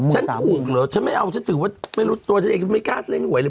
ฉันถูกหรอฉันไม่เอาฉันเองกลัวไม่กล้าเล่นหวยเลย